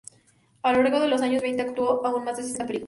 A lo largo de los años veinte actuó en más de sesenta películas.